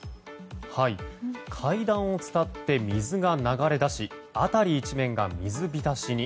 階段を伝って、水が流れ出し辺り一面が水浸しに。